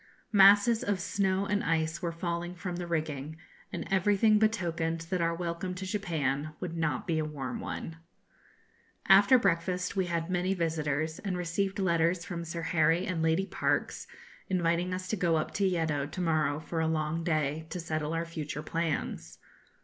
Masses of snow and ice were falling from the rigging, and everything betokened that our welcome to Japan would not be a warm one. [Illustration: Fujiyama, Japan] After breakfast we had many visitors, and received letters from Sir Harry and Lady Parkes, inviting us to go up to Yeddo to morrow for a long day, to settle our future plans.